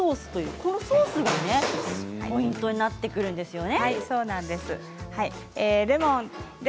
このソースがポイントになってくるんですよね。